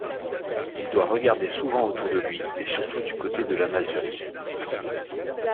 Il doit regarder souvent autour de lui, et surtout du côté de la masure.